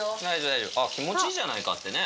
大丈夫、あっ、気持ちいいじゃないかってね。